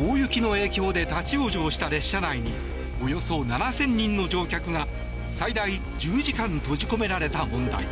大雪の影響で立ち往生した列車内におよそ７０００人の乗客が最大１０時間閉じ込められた問題。